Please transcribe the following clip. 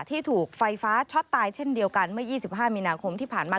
ที่ถูกไฟฟ้าช็อตตายเช่นเดียวกันเมื่อ๒๕มีนาคมที่ผ่านมา